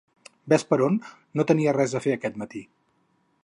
Ves per on no tenia res a fer aquest matí!